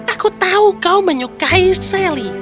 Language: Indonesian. aku tahu kau menyukai sally